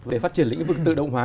để phát triển lĩnh vực tự động hóa